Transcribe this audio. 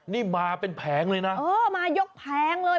นี่มาเป็นแผงเลยนะเออมายกแผงเลย